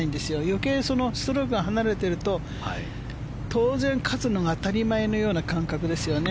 余計にストロークが離れていると当然勝つのが当たり前のような感覚ですよね。